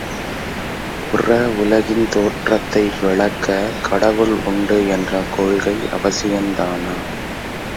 புற உலகின் தோற்றத்தை விளக்க கடவுள் உண்டு என்ற கொள்கை அவசியந்தானா?